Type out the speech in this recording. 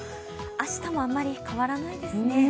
明日もあまり変わらないですね。